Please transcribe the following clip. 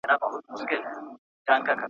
.خبر سوم، بیرته ستون سوم، پر سجده پرېوتل غواړي.